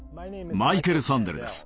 マイケル・サンデルです。